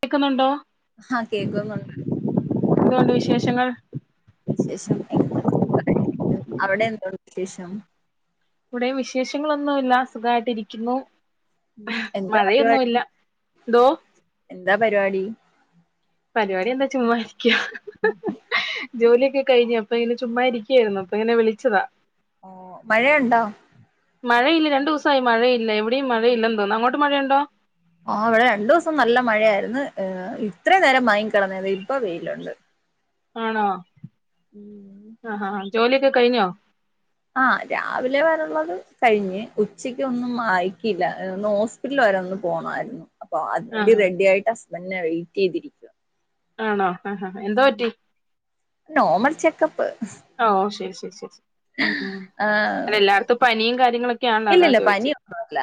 കേക്കുന്നുണ്ടോ ആഹ കേക്കുന്നുണ്ട് വക്ഷങ്ങൾ [unintelligible] വിശേഷം എന്താ അവിടെ എന്താ വിശേഷം ഇവിടെ വിശേഷങ്ങളൊന്നു ഇല്ല സുഖമായിട്ടിരിക്കുന്നു എന്താ പരിപാടി എന്തോ എന്താ പരിപാടി പരിപാടി എന്താ ചുമ്മാ ജോലിയൊക്കെ കഴിഞ്ഞോ അപ്പൊ ഇങ്ങന ചുമ്മാ ഇരിക്കുവായിരുന്നു അപ്പൊങ്ങനെ വിളിച്ചതാ ഓ മഴയുണ്ടോ മഴയില്ല രണ്ടു ദിവസമായി മഴയില്ല എവിടെയും മഴ ഇല്ലന്ന് തോന്നുന്നു അങ്ങോട്ട് മഴയുണ്ടോ ആ ഇവിടെ രണ്ടു ദിവസം നല്ല മഴയായിരുന്നു ഏ ഇത്ര നേരം മൈ കിടന്നത് ഇപ്പൊ വെയിലുണ്ട് ആണോ ഉം. ആഹ ആഹ ആ ജോലിയൊക്കെ കഴിഞ്ഞോ ആഹ രാവിലെ വരെള്ളത് കഴിഞ്ഞ് ഉച്ചക്ക് ഒന്നും ആയിക്കയിട്ടില്ല ഒന്ന് ഹോസ്പിറ്റൽ വരെ ഒന്ന് പോണായിരുന്നു അപ്പൊ അതിന് ആഹാ റെഡിയായിട്ടാ ഹസ് മന്നെ വെയിറ്റ് ചെയ്തിരിക്കുക ആണോ ആഹ ഹാ എന്തോ പറ്റി നോമൽ ചെക്കപ്പ് ഓ ശരി ശരി ശരിരി ഉ ഉ ആ അല്ല എല്ലാടത്തും പനിയും കാര്യങ്ങളൊക്കെയാണല്ലോ അതാ ഇല്ലില്ല ചോദിച്ച പനിയൊന്നുല്ല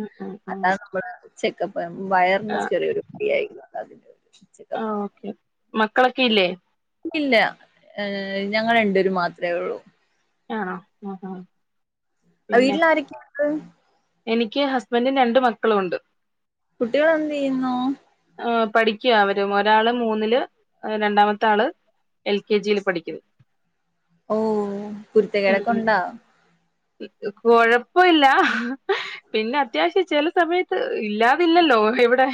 ഉ ഉ ഉ അതാണ് നമ്മള് ചെക്കപ്പ് വയറിന് ചെറിയൊരു പിയായിരിരുന്നു അത ചിത്തപ്പ ഓക്കെ [unintelligible] മക്കളൊക്കെ ഇല്ലേ ഇല്ല ഞങ്ങൾ രണ്ട് പേര് മാത്രേ ഉള്ളൂ ആഹ ആ ഹ ആ വീട്ടില ആരൊക്കെയത് എനിക്ക് ഹസ്ബൻഡും രണ്ട് മക്കളുമുണ്ട് കുട്ടികൾ എന്ത് ചെയ്യുന്നോ പഠിക്ക്യ അവര് ഒരാള് മൂന്നില് രണ്ടാമത്തെ ആള് എൽ കെ ജിയില് പഠിക്ക്ന്ന് ഓ കുരുത്തകേട് ഒക്കെ ഉണ്ടാ കൊഴപ്പ ഇല്ല പിന്നെ അത്യാവശ്യം ചില സമയത്ത് ഇല്ലാതില്ലല്ലോ ഇവിടെ അ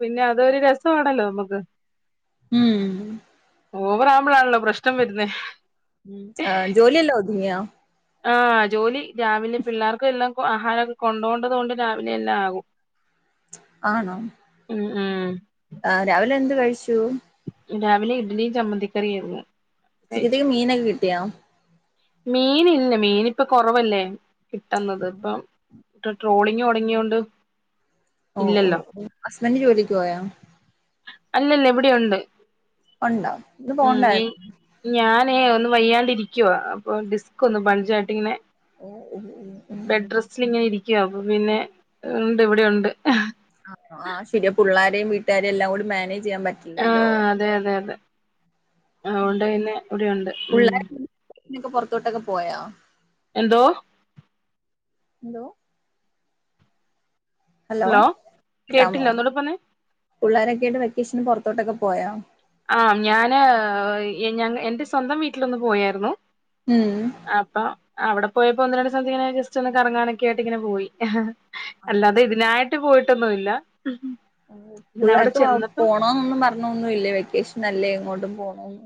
പിന്നെ അതൊരു രസമാണല്ലോ നമുക്ക് ഉം ഓവറാവുമ്പോളാണല്ലോ പ്രശ്നം വരുന്നേ ആഹ ജോലിയെല്ലാം ഒതുങ്ങിയ ആഹ് ജോലി രാവിലെ പിള്ളാർക്കെല്ലാം ആഹാരമൊക്കെ കൊണ്ട് പോണ്ടത് കൊണ്ട് രാവിലെ എല്ലാം ആകും ആണോ ഉം ഉം ആ രാവിലെ എന്ത് കഴിച്ചു രാവിലെ ഇഡലിയും ചമ്മന്തിക്കറിയായിരുന്നു ഉച്ചക്കത്തക്ക് മീനക്കെ കിട്ടിയാ മീൻ ഇല്ല മീൻ ഇപ്പൊ കൊറവല്ലേ കിട്ടുന്നത് ഇപ്പം ട്റ് ട്രോളിങ് തുടങ്ങിയോണ്ട് ഓ ഓ ഇല്ലല്ലോ ഓ ഹസ്ബൻഡ് ജോലിക്ക് പോയാ അല്ല അല്ല ഇവിടെയുണ്ട് ഒണ്ടാ ഇന്ന് പോണ്ടായിര്ന്നോ ന്നേ ഒന്ന് വയ്യാണ്ടിരിക്കുവാപ്പം ഒ ഡിസ്ക് ഒന്ന് ബൾജാട്ടിങ്ങനെ ഓ ഓ ഓ ഓ ഉം ബെഡ് റെസ്റ്റില് ഇങ്ങനെ ഇരിക്കു ക്കുവ അപ്പ പിന്നെ ഉണ്ട് ഇവിടെയുണ്ട് ആ ആ ശരിയ പുള്ളാരെയും വീട്ടുകാരെയും എല്ലാം കൂടി മാനേജ് ചെയ്യാൻ പറ്റില്ലല്ലോ ആതൊണ്ട്ന്നെ ഇവിടെയുണ്ട് ഉം രൊക്കെ പൊറത്തോട്ടൊക്കെ പോയൊ എന്തോ എന്തോ ഹലോ കേട്ടില്ല ഒന്നൂടെ പറഞ്ഞെ പുള്ളാരെക്കെയായിട്ട് വെക്കേഷന് പുറത്തോട്ടൊക്കെ പോയോ ആ ഞാന് ഞങ്ങ എന്റെ സ്വന്തം വീട്ടിലൊന്ന് പോയാരുന്നു ഉം അപ്പം അവിടെ പോയപ്പോ ഒന്ന് രണ്ട് സ്ഥലത്ത് ഇങ്ങനെ ജസ്റ്റ് ഒന്ന് കറങ്ങാനൊക്ക ആയിട്ട് ഇങ്ങനെ പോയി അല്ലാതെ ഇതിനായി ട്ട് പോയിട്ടൊന്നുംല്ല പിള്ളാർക്ക് [unintelligible] പോണന്നൊന്നും പറഞ്ഞൊന്നുംല്ലേ വെകേ വെക്കേഷന് അല്ലെ എങ്ങോട്ടും പോണോന്ന്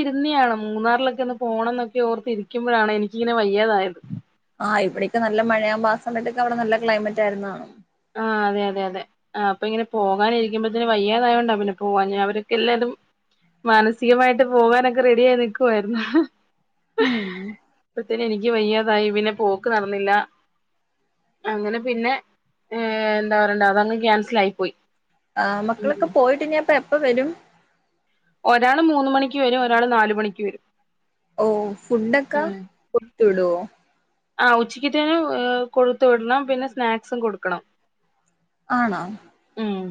ഇരുന്നിയാണ് മൂന്നാറിലൊക്കെ ഒന്ന് പോണം എന്നൊക്കെ ഓർത്തിരിക്കുമ്പോഴാണ് എനിക്കിങ്ങനെ വയ്യാതായത് ആഹ് ഇവിടെക്കെ നല്ല മഴയാമ്പ ആ സമയത്തൊക്കെ അവിടെ നല്ല ക്ലൈമറ്റ് ആയിരുന്ന് കാണും ആ അതെ അതെ അതെ ആ അപ്പൊ ഇങ്ങനെ പോകാനിരിക്കുമ്പോതേന് വയ്യാതായോണ്ട പിന്നെ പോവാഞ്ഞെ അവരൊക്കെ എല്ലാരും മാനസികമായിട്ട് പോകാനൊക്കെ റെഡി ആയി നിക്കുവാരുന്ന് ഉം അപ്പത്തേന് എനിക്ക് വയ്യ അതായി പിന്നെ പോക്ക് നടന്നില്ല അങ്ങനെ പിന്നെ ഏ എന്താ പറയണ്ട അതങ്ങ് ക്യാൻസൽ ആയി പോയി ആ ഉം മക്കളൊക്കെ പോയിട്ട് ഇനി അപ്പ എ എപ്പം വരും ഒരാള് മൂന്ന് മണിക്ക് വരും ഒരാൾ നാല് മണിക്ക് വരും ഓ ഫുഡക്കാ കൊടത്ത് വിടോ ആ ഉച്ചക്കതേന് ഇ കൊടുത്തു വിടണം പിന്നെ സ്നാക്സും കൊടുക്കണം ആണോ ഇം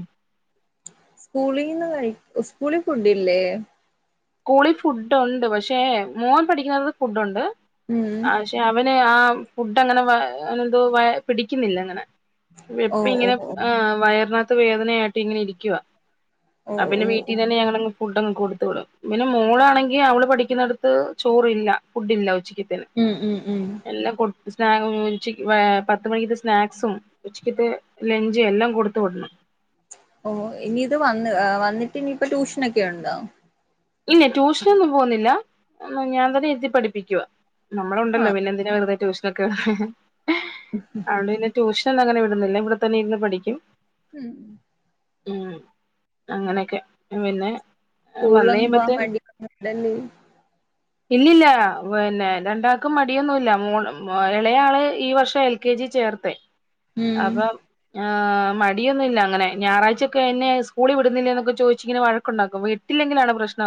സ്കൂളിന്ന് കഴി സ്കൂളിൽ ഫുഡ് ഇല്ലേ സ്കൂളി ഫുഡ് ഒണ്ട് പക്ഷേ മോൻ പഠിക്കുന്നത് ഫുഡ് ഒണ്ട് ഉം ആക്ഷെ അവന് ആ ഫുഡ് അങ്ങന വ അവനെന്തോ വയ പിടിക്കുന്നില്ല അങ്ങനെ ഓ എപ്പ ഓ ഇങ്ങനെ ഓ ആ വയറിനാ ത്ത് വേദനയാട്ട് ഇങ്ങനെ ഇരിക്കുവ ഓ അ പിന്നെ ഓ ഓ വീട്ടീന്ന് തന്ന ഞങ്ങളങ്ങ് ഫുഡ് അങ്ങ് കൊടുത്ത് വിടും പിന്നെ മോളാണെങ്കി അവള് പഠി ക്കുന്നടുത്ത് ചോറില്ല ഫുഡില്ല ഉച്ച [unintelligible] ഉം ഉം ഉം എല്ലാം കൊ സ്നാ ഉച്ചക്ക് പത്ത് മണിക്കത്ത സ്നാക്സും ഉച്ചക്കത്തെ ലഞ്ചും എല്ലാം കൊടുത്ത് വിടണം ഓ ഇനി ഇത് വന്ന് വന്നിട്ട് ഇനിയിപ്പോ ട്യൂഷനൊക്കെ ഒണ്ടോ ഇല്ല ട്യൂഷനൊന്നും പോന്നില്ല ഞാൻ തന്നെ ഇരുത്തി പഠിപ്പിക്കുവാ നമ്മള് ആ ഉണ്ടല്ലോ പിന്നെന്തിനാ വെറുതേ ട്യൂഷ് നൊക്കെ അവളിന്ന് ട്യൂഷൻ അങ്ങനെ വിടുന്നില്ല ഇവിടെത്തന്നെ ഇരുന്ന് പഠിക്കും ഉം ഉം അങ്ങനെയൊക്കെ പിന്നെ വന്ന് പൂളങ്ങും വാ [unintelligible] ഇല്ലല്ല പിന്നെ രണ്ടാൾക്കും മടിയൊന്നുമില്ല മോ ഇളയാള് ഈ വർഷം എൽ കെ ജി ചേർത്ത് ഉം മടിയൊന്നും ഇല്ല അങ്ങെ ഞായറാഴ്ചൊക്കെ എന്നെ സ്കൂളിൽ വിടുന്നില്ലേ എന്നൊക്കെ ചോദിച്ചിങ്ങനെ വഴക്കുണ്ടാക്കും വട്ടില്ലെങ്കിലാണ് പ്രശ്നം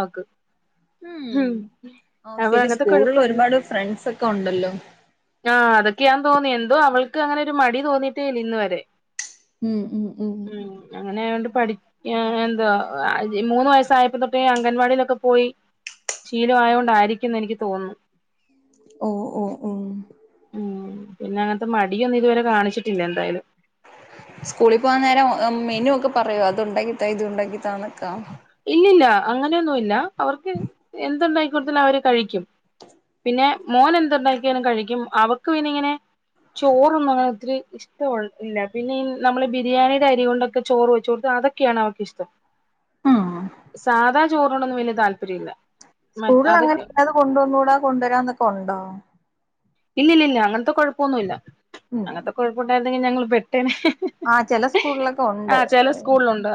ഉം [unintelligible] ഓ അവ ശരി അങ്ങനത്തെ സ്കൂളിൽ കുഴപ്പം ഒന്നും ഇല്ല്യ ഒരുപാട് ഫ്രണ്ട്സ് ഒക്കെ ഉണ്ടല്ലോ ആഹ അതൊക്കെയ തോന്നി എന്തോ അവൾ അവൾക്ക് അങ്ങനെ ഒരു മടി തോന്നിയിട്ടേ ഇല്ല ഇന്ന് വരെ ഉം ഉം ഉം പഠിക്കാൻ എന്താ മൂന്ന് വയസായപ്പോ തൊട്ട് അങ്ങ് അംഗൻവാടിയിലൊക്കെ പോയി ശീലയത് കൊണ്ടായിരിക്കുംന്ന് എനിക്ക് തോന്നുന്നു ഓ ഓ ഓ ഉം പിന്നെ അങ്ങനത്തെ മടിയൊന്നും ഇതുവരെ കാണിച്ചിട്ടില്ല എന്തായാലും സ്കൂളിൽ പോകൻ നേരം മെനു ഒക്കെ പറയോ അത്ണ്ടാക്കിട്ടാ ഇത് ഉണ്ടാക്കീട്ടാണ് ഇല്ലല്ല അങ്ങനെയൊന്നുമില്ല അവർക്ക് എന്തുണ്ടായിക്കൊടുതാലും അവര് കഴിക്കും പിന്നെ മോൻ എന്തു ഉണ്ടാക്കാലും കഴിക്കും അവക്ക് പിന്നെ ഇങ്ങനെ ചോറ് ഒന്നും ഇത്തിരി ഇഷ്ട ഇല്ല പിന്നെ നമ്മള് ബിരിയാണിയുടെ അരി കൊണ്ടൊക്കെ ചോറ് വെച്ച കൊടുത്ത അതൊക്കെയാണ് അവർക്ക് ഇഷ്ടം ഉം സാധാ ചോറിനോടൊന്നും വലിയ താല്പര്യം ഇല്ല മ സ്കൂളിൽ അങ്ങനെ അതൊക്കെ ഇത് കൊണ്ടുവന്നുകൂടാ കൊണ്ടുവരാന്നൊക്കെ ഉണ്ടോ ഇല്ല ഇില്ല ഇില്ല അങ്ങനത്തെ കുഴപ്പൊന്നുമല്ല അങ്ങനത്തെ കുഴപ്പം ഉണ്ടായിരുന്നെങ്കിൽ ഞങ്ങ പെട്ടേനെ അ ചില സ്കൂളിലൊക്കെ ആ ഉണ്ട് ചില സ്കൂളിലുണ്ട്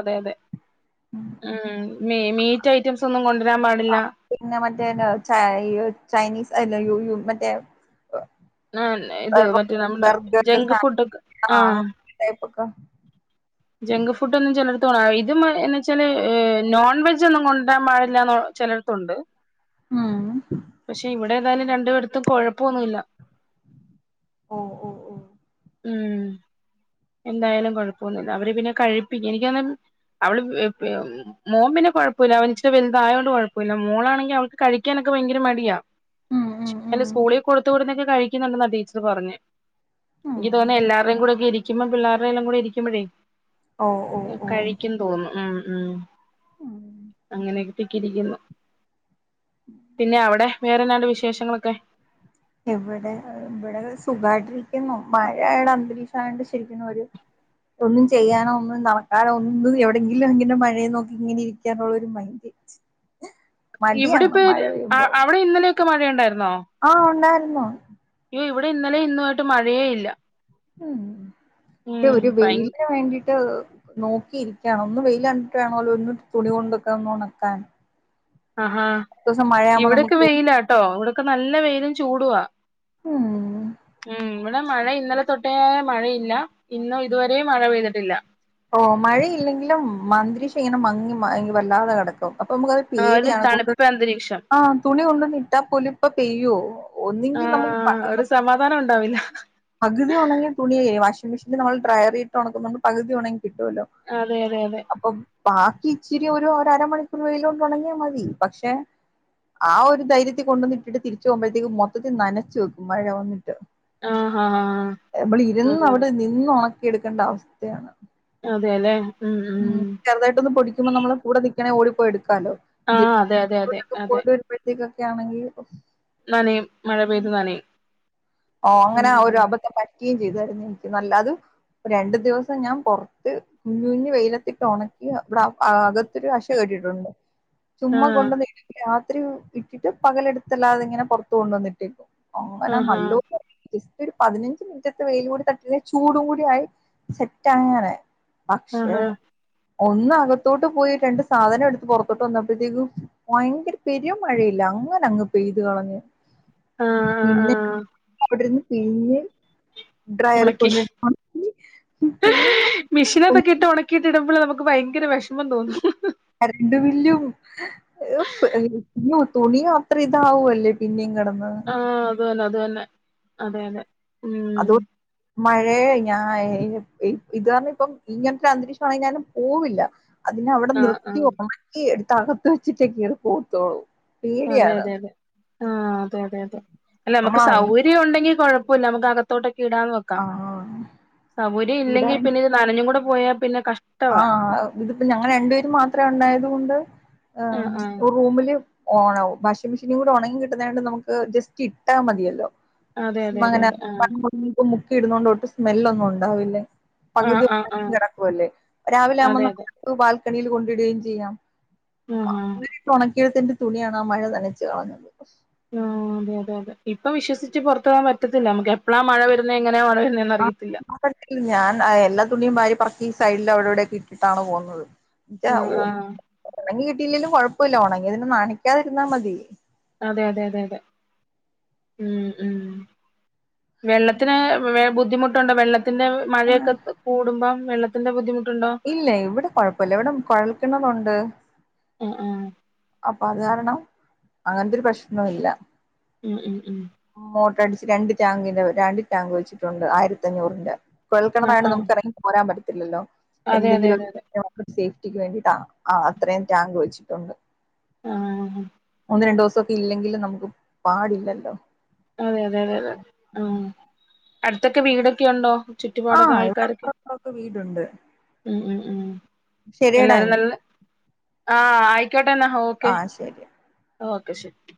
മി മീറ്റ് ഐറ്റംസ് ഒന്നും കൊണ്ട് [unintelligible] ചൈനിസ് മറ്റേ ആ ഇത് മറ്റേ നമ്മുടെ ബർഗർ ജങ്ക് ഫുഡ് ഒക്കെ സാൻവിച്ച് ആ ആഹ അങ്ങനത്തെ ടൈപ്പൊക്കെ ജങ്ക് ഫുഡ് ഒന്നും ചിലർ ഇതും എന്ന് വെച്ചാല് നോൺ വെജ് ഒന്നും കൊണ്ടാൻ പാടില്ലന്ന് ചിലടത്തണ്ട് ഉം പക്ഷെ ഇവിടെ ഏതായാലും രണ്ടു അ കൊഴപ്പൊന്നുല്ല ഓ ഓ ഓ ഉം എന്തായാലും കൊഴപ്പൊന്നില്ല അവര് പിന്നെ കഴിപ്പിക്കും എനിക്കന്ന അവള് മോൻ പിന്നെ കൊഴപ്പമില്ല അവന ഇച്ചിരി വലുത ആയതൊണ്ട് കുഴപ്പമില്ല മോളാണെങ്കിൽ അവക്ക് കഴിക്കാനൊക്കെ ഭയങ്കര മടിയാ ഉം ഉം ഉം സ്കൂളിൽ കൊടുത്തുകടുന്നൊക്കെ കഴിക്കുന്നുണ്ടെന്നാ ടീച്ചർ പറഞ്ഞഞ് ഉം എനിക്ക് തോന്നെ എല്ലാരുടെ കൂടി ഒക്കെ ഇരിക്കുമ്പം പിള്ളേരുടെല്ലാം കൂടെ ഇുമ്പോഴേ ഓ ഓ ഓ കഴിക്കും തോന്നും ഉം ഉം അങ്ങനെയൊക്കെക്കിരിക്കുന്നു പിന്നെ അവിടെ വേറെന്താണ്ട് വിശേഷങ്ങളൊക്കെ എവിടെ ഇവിടെ സുഖമായിട്ടരിക്കുന്നു മഴടെ അന്തരീക്ഷ ആണ്ട് ശരിക്കും ഒന്നും ചെയ്യാനോ ഒന്നും നടക്കാനോ ഒന്നു എവിടെങ്കിലും ഇങ്ങനെ മഴയെ നോക്കി ഇങ്ങനെ ഇരിക്ക എന്നുള്ള ഒരു മൈൻഡ് ഇവിടെ മടിയാണ് പേ അവിടെ ഇന്നലെ ക്കെ മഴ ണ്ടായിരുന്നു ആഹ ഉണ്ടായ് ന്നോ അയ്യോ ഇവിടെ ഇന്നലെ ഇന്നുമായിട്ട് മഴയേ ഇല്ല ഉം ഉം ഒരു ഭയ വെയിലിന് വേണ്ടിട്ട് നോക്കിയിരിക്കയാണ് ഒന്ന് വെയിൽ കണ്ടിട്ട് വേണോല്ലോ ഒന്ന് തുണി കൊണ്ടക്കന്ന ഒണക്കാൻ അഹാ ഇവിടെക്കെ വെയില കേട്ടോ ഇവിടൊക്കെ നല്ല വെയിലും ചൂടുവാ ഉം ഉം ഇവിടെ മഴ ഇന്നലെ തൊട്ടോയ മഴയില്ല ഇന്നും ഇതുവരെയ മഴ പെയ്തിട്ടില്ല ഓ മഴയില്ലെങ്കിലും അന്തരീക്ഷം ങ്ങനെ മങ്ങി വല്ലാതെ കെടക്കും അപ്പൊ നമുക്ക്ത് ആ ഒരു പേടിയാണ് കൂടുത തണുപ്പ് അന്തരീക്ഷം ആ തുണി കൊണ്ടന്ന് ഇട്ടാൽ പോലും ഇപ്പ പെയ്യോ ആ ഒന്നെങ്കിൽ നമുക്ക് പക ഒരു സമാധാനം ഉണ്ടാവില്ല പകുതി ഉണെങ്കിൽ തുണി വാഷിങ്മിഷീൻ മെഷീ നമ്മ ഡ്രയറി ഇട്ട്ണക്കുന്നു പകുതി ഉണങ്ങി കിട്ടുവല്ലോ അതെ അതെ അതെ അപ്പം ബാക്കി ഇച്ചിരി ഒരു അരമണിക്കൂർ വെയിലോണ്ട് ഉണങ്ങിയാ മതി പക്ഷെ ആ ഒരു ധൈര്യത്തി കൊണ്ടുവന്നിട്ടിട്ട് തിരിച്ചു പോകുമ്പഴത്തേക്ക് മൊത്തത്തിൽ നനച്ചു വെക്കും മഴ വന്നിട്ട് ആഹ ആഹ ആ മ്മള് ഇരുന്ന് അതെ അവിടെ നിന്നു ഒണ എടുക്കേണ്ട അവസ്ഥയാണ് അതെ ലേ ഉം ഉം ങ്ങനെ ഓടിപോയി എട് തലോ ആ അതെ അതെ അതെ അതെ പോയിട്ട് വരുമ്പഴത്തേക്ക ഒക്കെ ആണെങ്കി നനയും മഴ പെയ്തു നനയും ഓ അങ്ങനെ ഒരു ഉം അബദ്ധം പറ്റ യും ചെയ്തരുന്നു ന്നല്ലാത് രണ്ടു ദിവസം ഞാൻ പൊറത്ത് കുഞ്ഞു കുഞ്ഞഞ് വെയിലത്തിട്ട് ഉണക്കി അവിടെ അകത്തൊരു കശ കെട്ടിയിട്ടുണ്ട് ആ ചുമ്മ കൊണ്ട ന ഒത്തിരി ഇട്ടിട്ട് പകലെടുത്തല്ലാതെങ്ങനെ പുറത്ത കൊണ്ട വന്നിട്ടേക്കും അങ്ങനെ ആഹാ നല്ലോ ജസ്റ്റ് ഒരു പതിനഞ്ച് മിനിറ്റത്തെ വെയില കൂടി തട്ടി ചൂടും കൂടിയയി സെറ്റ് അങ്ങനെ പക്ഷെ ആഹാ ഒന്ന അകത്തോട്ട് പോയി രണ്ട് സാധനം എടുത്ത് പുറത്തോട്ട് വന്നപ്പോഴത്തേക്കും ഭയങ്കര പെരി മഴയില്ല അങ്ങനെ അങ്ങ് പെയ്ത് കളഞ്ഞു ആ ആ പിന്നെ ആ വിടെന്ന് പിഴിഞ്ഞ് ഡ്രയറിൽ ഉണക്കി കൊണ്ട് മെഷീനകത്തൊക്കെ ഇട്ട് ഉണക്കിയിട്ട് ഇടുമ്പോൾ നമുക്ക് ഭയങ്കര വിഷ കര്ണ്ടു വില്ലും യ്യോ തുണിയ അത്ര ഇതാവല്ലേ പിന്നെയും കേട് ആ അത് ന്ന അത് തന്നെ അതെ അതെ അത ഉം മഴയ ഞാൻ ഇത് കാരണം ഇപ്പം ഇങ്ങനത്തെ അന്തരീക്ഷമാണെങ്കിൽ ഞാനും പോവില്ല അതിന അവിടെ ആ ആ നൃത്തിയ ഉണക്കി എടു തകത്ത് വെച്ചിട്ടേക്ക കേറി പോത്തോളൂ അതെ അതെ അതെ ആ അതെ അതെ അതെ അല്ല നമുക്ക് നമ്മള സൗകര്യം ഉണ്ടെങ്കികൊഴ പോ നമു അകത്തോട്ട് ഇടാന്ന് വേക്കാം ആ സൗകര്യം ഇവിടെ ഇല്ലെങ്കിൽ പിന്നെ നനഞ്ഞും കൂടെ പോയ പിന്നെ ആ കഷ്ടവാ ഇതിപ്പോ ഞങ്ങ രണ്ടുപേര മാത്രേ ഉണ്ടായത് കൊണ്ട് ആ റൂമില് ഓണാവ വാഷിംഗ മെഷീനും കൂടി ഉണങ്ങി കിട്ടുന്നതണ്ട് നമുക്ക് ജസ്റ്റ് ഇട്ടാൽ മതിയല്ലോ അതെ അതെ അതെ അങ്ങന അതെ ആ ഇടുന്നണ്ട് ഒട്ടും സ്മെല്ലൊന്നും ഉണ്ടാവില്ലേ ആ പകുതി ആ ആ [unintelligible] കിടക്കുംല്ലേ രാവിലെ ആവുമ്പ അതെ അതെ നമുക്ക് കാൽക്കണിയിൽ കൊണ്ടിടുകയും ചെയ്യാം ആ ആ [unintelligible] ഉണക്കെടുത്തി തുണിയാണ് ആ മഴ തനച്ച് കളഞ്ഞ ആ അതെ അതെ അതെ ഇപ്പൊ വിശ്വസിച്ച് പൊറത്ത് പോവാൻ പറ്റത്തില്ല നമക്ക് എപ്പളാ മഴ വരുന്നത് എങ്ങനാ മഴ വരുന്നെ ഞാൻ ആ എല്ലാത്തുണിയും വാരി പെർക്കി ഈ സൈഡിൽ അവിടെ ഇവിടയൊക്കെ ഇട്ടിട്ടാണ് പോവ്ന്നത്. ആ ആ [unintelligible] ഒണങ്ങി കിട്ടിലേലും കൊഴ പ്പല്ല ഒണങ്ങിതിനെ നനക്കാതിരുന്നാ മതി. അതെ അതെ അതെ ഉം ഉം വെള്ളത്തിന് വേ ബുദ്ധിമു ട്ടൊണ്ടോ വെള്ള പിന്നെ മഴയൊക്കെ കൂടുമ്പം വെള്ളത്തിന്റെ ബുദ്ധിമു ഇല്ല ഇവിടെ കൊഴപ്പല്ല ഇവിടെ കൊഴൽ കിണറുണ്ട്. ആ ആ അപ്പ അത് കാരണം അങ്ങനത്തൊരു പ്രശ്നോ ഇല്ല. ഉം ഉം ഉം മോട്ടർ അടിച്ച് രണ്ട് ടാങ്കിന്റെ രണ്ട് ടാങ്ക് വെച്ചിട്ടുണ്ട് ആയിരത്തഞ്ഞൂറിന്റെ ആ കേൾക്ക്ണതായൊണ്ട് ആ നമക്കെറങ്ങി പോരാൻ പറ്റു ഇല്ലല്ലോ? അതെ അതെ അതെ എന്തെങ്കിലുക്കെ അതെ ഫോകസെയ്യ് ട്ടിക്ക് വേണ്ടിട്ടാണോ ആ അത്രയും ടാങ്ക് വെച്ചിട്ടുണ്ട്. ആ രണ്ടുസൊക്കെ ഇല്ലെങ്കില് നമുക്ക് പാടില്ലല്ലോ? അതെ അതെ അതെ അതെ ആ അടുത്തൊക്കെ വീടൊക്കെയൊണ്ടോ? ചുറ്റുപാടൊക്കെ ആഹ് ഇവിടെ ആൾക്കാരൊക്കെ അപ്പറം ഇപ്പറൊക്കെ ഉം ഉം ഉം ശെരിയടാ എല്ലാരും നല്ല [unintelligible] ആ ആയി ക്കോട്ടന്നാ ഓക്കെ. ശരി ഓക്കെ ശെരി.